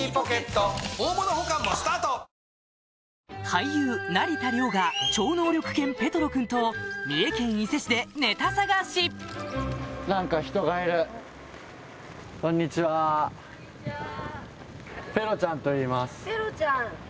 俳優成田凌が超能力犬ペトロ君と三重県伊勢市でネタ探しペロちゃんハロ。